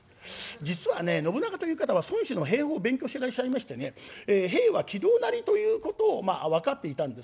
実はね信長という方は孫子の兵法を勉強していらっしゃいましてね「兵は詭道なり」ということをまあ分かっていたんですね。